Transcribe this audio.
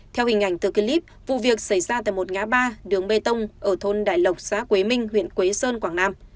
theo hình ảnh từ clip vụ việc xảy ra tại một ngã ba đường bê tông ở thôn đại lộc xã quế minh huyện quế sơn quảng nam